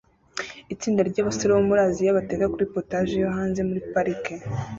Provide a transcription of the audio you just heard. Itsinda ryabasore bo muri Aziya bateka kuri POTAGE yo hanze muri parike